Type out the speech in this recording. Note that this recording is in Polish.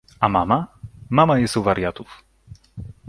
— A mama? — Mama jest u wariatów.